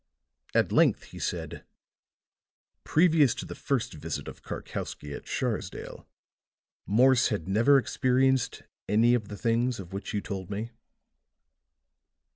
At length he said: "Previous to the first visit of Karkowsky at Sharsdale Morse had never experienced any of the things of which you told me?"